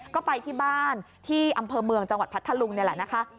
ก็ไปที่บ้านที่อำเภอเมืองจังหวัดพัทธลุงนี่แหละนะคะ